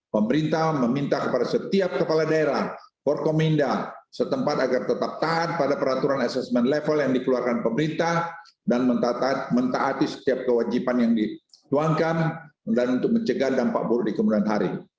pemerintah meminta kepada setiap kepala daerah forkominda setempat agar tetap taat pada peraturan asesmen level yang dikeluarkan pemerintah dan mentaati setiap kewajiban yang dituangkan dan untuk mencegah dampak buruk di kemudian hari